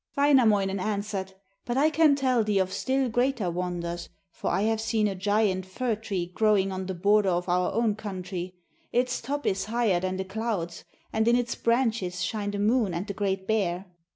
Wainamoinen answered: 'But I can tell thee of still greater wonders, for I have seen a giant fir tree growing on the border of our own country; its top is higher than the clouds, and in its branches shine the moon and the Great Bear.'